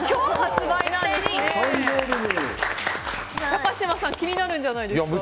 高嶋さん気になるんじゃないですか。